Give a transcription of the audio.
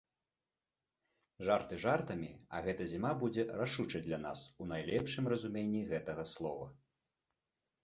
Жарты жартамі, а гэта зіма будзе рашучай для нас у найлепшым разуменні гэтага слова.